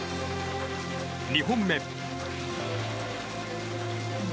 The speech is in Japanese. ２本目。